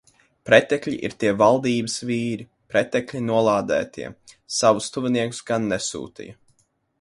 Pretekļi ir tie valdības vīri, pretekļi nolādētie. Savus tuviniekus gan nesūtīja.